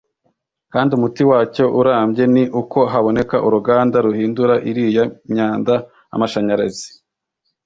kandi umuti wacyo urambye ni uko haboneka uruganda ruhindura iriya myanda amashanyarazi